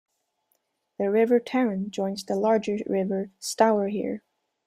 The River Tarrant joins the larger River Stour here.